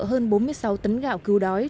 hơn bốn mươi sáu tấn gạo cứu đói